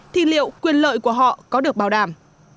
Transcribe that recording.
thì liệu quyền lợi của họ có được bảo đảm